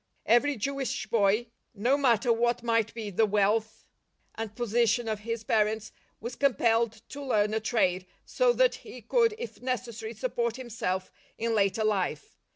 Every Jewish boy, : no matter what might be the w^ealth and I position of his parents, was compelled to ! learn a trade, so that he could if necessary } support himself in later life.